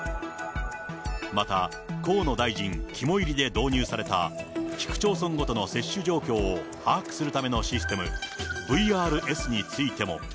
また、河野大臣肝煎りで導入された、市区町村ごとの接種状況を把握するためのシステム、ＶＲＳについても。